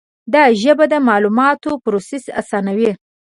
دا ژبه د معلوماتو پروسس آسانوي.